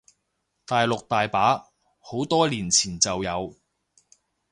大陸大把，好多年前就有